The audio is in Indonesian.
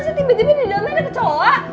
lo sih tiba tiba ada kecoa